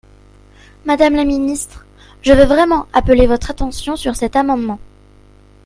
Madame la ministre, je veux vraiment appeler votre attention sur cet amendement.